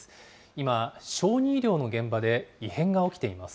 今、小児医療の現場で異変が起きています。